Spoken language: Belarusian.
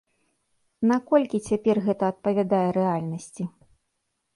Наколькі цяпер гэта адпавядае рэальнасці?